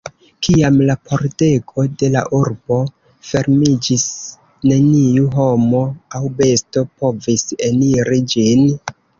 Kiam la pordego de la urbo fermiĝis, neniu homo aŭ besto povis eniri ĝin.